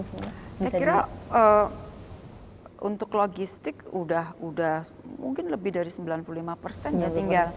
saya kira untuk logistik sudah mungkin lebih dari sembilan puluh lima persen ya